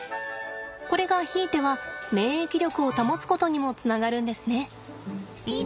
これがひいては免疫力を保つことにもつながるんですね。